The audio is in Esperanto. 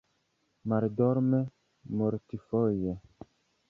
Maldorme, multfoje.